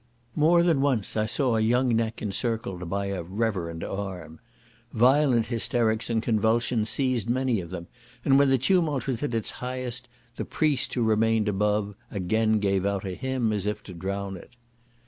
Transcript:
More than once I saw a young neck encircled by a reverend arm. Violent hysterics and convulsions seized many of them, and when the tumult was at the highest, the priest who remained above, again gave out a hymn as if to drown it.